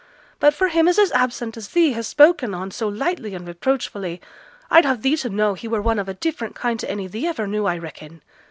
But for him as is absent, as thee hast spoken on so lightly and reproachfully, I'd have thee to know he were one of a different kind to any thee ever knew, I reckon.